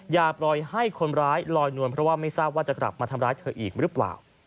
อย่าปล่อยให้คนร้ายลอยนวลเพราะว่าไม่ทราบว่าจะกลับมาทำร้ายเธออีกหรือเปล่า